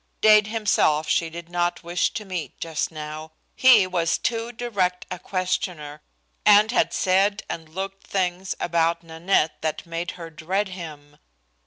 Dade himself she did not wish to meet just now. He was too direct a questioner, and had said and looked things about Nanette that made her dread him.